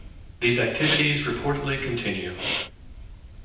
These activities reportedly continue.